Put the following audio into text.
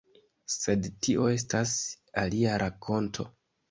Sed tio estas alia rakonto.